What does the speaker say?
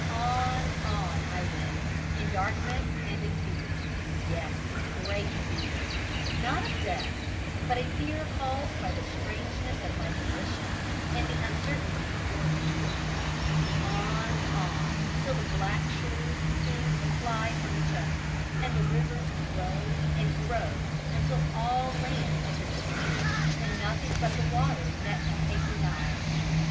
On, on I went, in darkness and in fear yes, great fear, not of death, but a fear caused by the strangeness of my position, and the uncertainty before me; on, on, till the black shores seemed to fly from each other, and the river to grow and grow until all land had disappeared, and nothing but the water met my aching eyes.